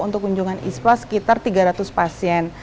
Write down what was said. untuk kunjungan ispa sekitar tiga ratus pasien